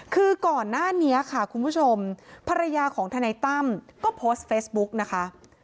คือก่อนหน้านี้ค่ะคุณผู้ชมภรรยาของทนายตั้มก็โพสต์เฟซบุ๊กนะคะ